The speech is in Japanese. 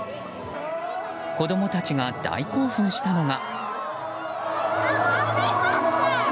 子供たちが大興奮したのが。